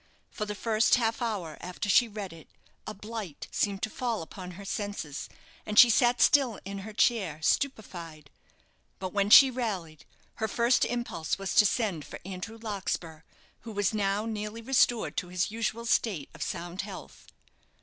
For the first half hour after she read it, a blight seemed to fall upon her senses, and she sat still in her chair, stupefied; but when she rallied, her first impulse was to send for Andrew Larkspur, who was now nearly restored to his usual state of sound health.